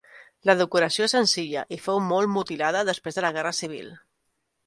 La decoració és senzilla i fou molt mutilada després de la Guerra Civil.